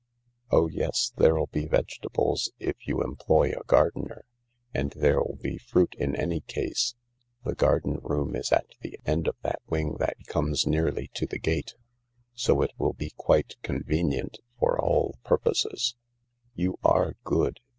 Oh yes, there'll be vegetables if you employ i gardener. And there'll be fruit in any case. The garde^ room is at the endof thatwing thatcomes nearly to the gate, so it will be quite convenient for all purposes," " You are good